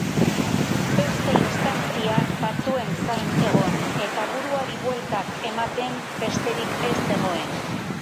Beste instantzia batzuen zain egon eta buruari bueltak eman besterik ez zegoen.